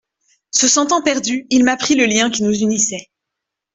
Se sentant perdu, il m’apprit le lien qui nous unissait.